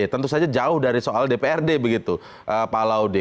tentu saja jauh dari soal dprd begitu pak laude